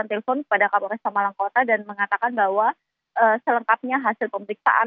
kami juga telpon kepada kapolresta malang kota dan mengatakan bahwa selengkapnya hasil pemeriksaan